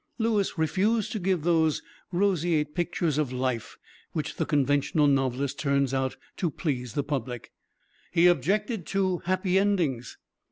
Louis refused to give those roseate pictures of life which the conventional novelist turns out to please the public. He objected to "happy endings."